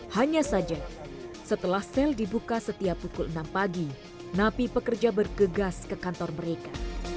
hanya saja setelah sel dibuka setiap pukul enam pagi napi pekerja bergegas ke kantor mereka